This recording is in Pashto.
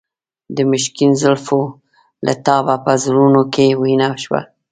د مشکین زلفو له تابه په زړونو کې وینه شوه.